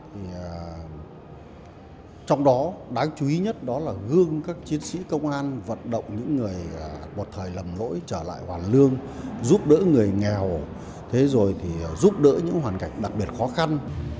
thì trong đó đáng chú ý nhất đó là gương các chiến sĩ công an vận động những người một thời lầm lỗi trở lại hoàn lương giúp đỡ người nghèo thế rồi thì giúp đỡ những hoàn cảnh đặc biệt khó khăn